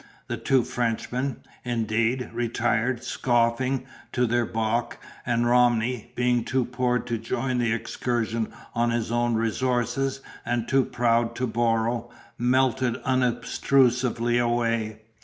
The two Frenchmen, indeed, retired, scoffing, to their bock; and Romney, being too poor to join the excursion on his own resources and too proud to borrow, melted unobtrusively away.